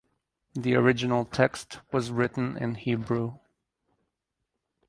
The original text was written in Hebrew.